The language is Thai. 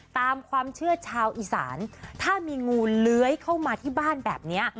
ตามความเชื่อชาวอีสานถ้ามีงูเลื้อยเข้ามาที่บ้านแบบนี้